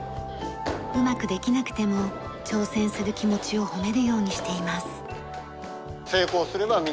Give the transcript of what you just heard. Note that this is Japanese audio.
うまくできなくても挑戦する気持ちを褒めるようにしています。